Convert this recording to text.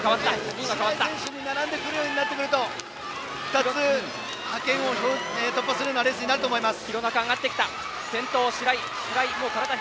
白井選手に並んでくるようになってくると２つ、派遣を突破するようなレースになると思います。